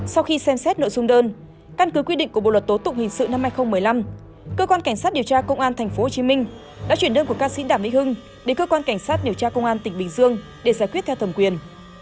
sau khi xem xét nội dung đơn căn cứ quy định của bộ luật tố tụng hình sự năm hai nghìn một mươi năm cơ quan cảnh sát điều tra công an tp hcm đã chuyển đơn của ca sĩ đàm mỹ hưng đến cơ quan cảnh sát điều tra công an tỉnh bình dương để giải quyết theo thẩm quyền